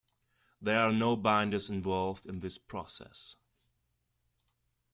There are no binders involved in this process.